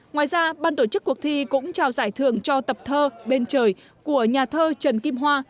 ngoài ra ban tổ chức cuộc thi cũng trao giải thưởng cho tập thơ bên trời của nhà thơ trần kim hoa